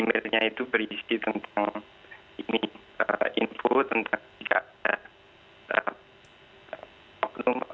email nya itu berisi tentang info tentang jika ada